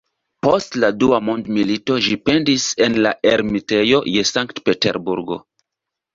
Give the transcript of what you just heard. Post la Dua Mondmilito ĝi pendis en la Ermitejo je Sankt-Peterburgo.